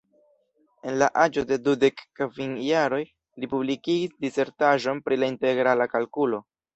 En la aĝo de dudek kvin jaroj li publikigis disertaĵon pri la integrala kalkulo.